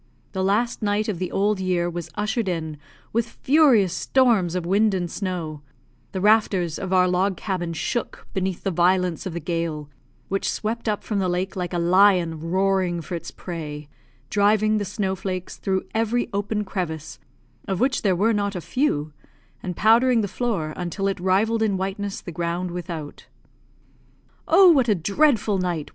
The last night of the old year was ushered in with furious storms of wind and snow; the rafters of our log cabin shook beneath the violence of the gale, which swept up from the lake like a lion roaring for its prey, driving the snow flakes through every open crevice, of which there were not a few, and powdering the floor until it rivalled in whiteness the ground without. "Oh, what a dreadful night!"